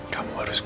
kamu harus kuat